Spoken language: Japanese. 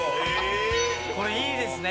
これいいですね